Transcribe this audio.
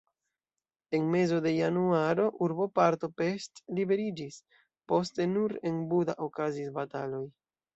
En mezo de januaro urboparto Pest liberiĝis, poste nur en Buda okazis bataloj.